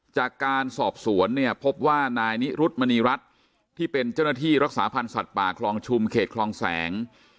จากการสอบสวนเนี่ยพบว่านายนิรุธมณีรัฐที่เป็นเจ้าหน้าที่รักษาพันธ์สัตว์ป่าคลองชุมเขตคลองแสง